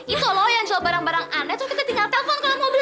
itu lo yang jual barang barang aneh terus kita tinggal telfon kalo mau beli